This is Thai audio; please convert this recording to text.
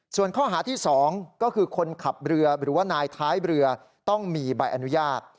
ส่วนข้อหาที่๒ก็คือคนขับเรือหรือว่านายท้ายเรือต้องมีใบอนุญาต